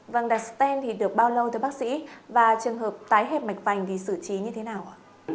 vâng đặt sten thì được bao lâu thưa bác sĩ và trường hợp tái hẹp mạch vành thì xử trí như thế nào ạ